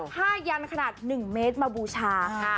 รับ๕ยันตร์ขนาด๑เมตรมาบูชาค่ะ